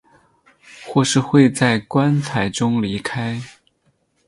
或是会在棺材中离开。